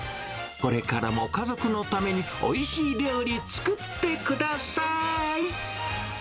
これからも家族のためにおいしい料理、作ってください。